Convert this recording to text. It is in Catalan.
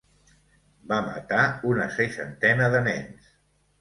Va matar una seixantena de nens.